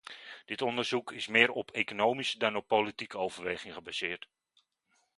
Dit onderzoek is meer op economische dan op politieke overwegingen gebaseerd.